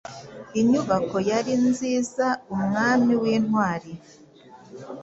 Inyubako yari nzizaumwami wintwari